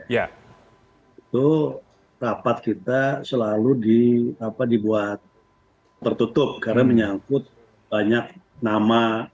itu rapat kita selalu dibuat tertutup karena menyangkut banyak nama